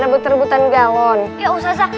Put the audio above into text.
ya udah punan ya